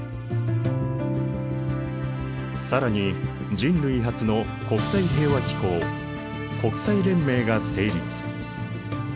更に人類初の国際平和機構国際連盟が成立。